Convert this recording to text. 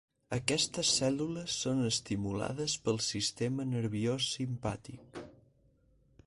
Aquestes cèl·lules són estimulades pel sistema nerviós simpàtic.